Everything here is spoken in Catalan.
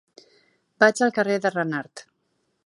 Vaig al carrer de Renart.